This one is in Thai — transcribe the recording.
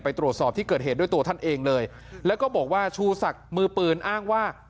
ตรวจสอบที่เกิดเหตุด้วยตัวท่านเองเลยแล้วก็บอกว่าชูศักดิ์มือปืนอ้างว่า